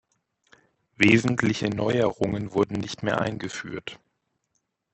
Wesentliche Neuerungen wurden nicht mehr eingeführt.